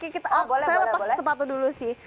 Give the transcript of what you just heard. saya lepas sepatu dulu sih